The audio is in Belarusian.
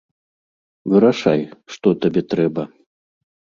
Вырашай, што табе трэба.